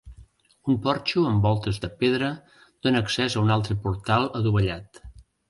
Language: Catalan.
Un porxo amb voltes de pedra dóna accés a un altre portal adovellat.